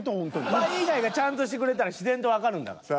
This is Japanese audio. スパイ以外がちゃんとしてくれたら自然とわかるんだから。